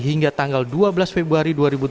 hingga tanggal dua belas februari dua ribu tujuh belas